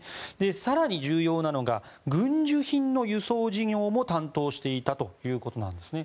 更に、重要なのが軍需品の輸送事業も担当していたということなんですね。